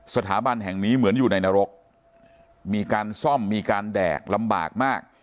สถาบันแห่งนี้เหมือนอยู่ในนรกมีการซ่อมมีการแดกลำบากมาก